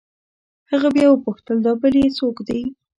هغه بيا وپوښتل دا بل يې سوک دې.